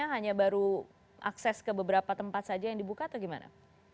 hanya baru akses ke beberapa tempat saja yang dibuka atau gimana